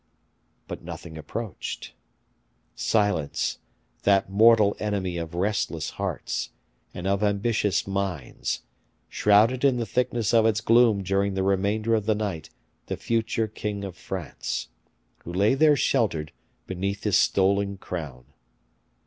But nothing approached. Silence, that mortal enemy of restless hearts, and of ambitious minds, shrouded in the thickness of its gloom during the remainder of the night the future king of France, who lay there sheltered beneath his stolen crown.